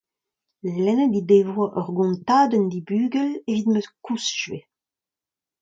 lennet he devoa ur gontadenn d'he bugel evit ma kouskje.